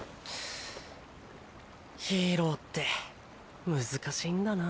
ヒーローって難しいんだな。